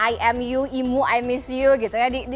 i am you i miss you gitu ya